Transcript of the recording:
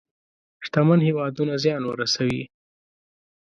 شتمن هېوادونه زيان ورسوي.